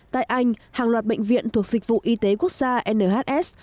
tại anh hàng loạt bệnh viện thuộc dịch vụ y tế quốc gia nhs